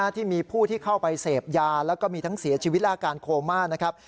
ที่มีผู้ที่เข้าไปเสพยาแล้วก็มีทั้งเสียชีวิตและอาการโคม่านะครับ